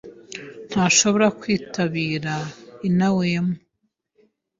ntashobora kwitabira inawema.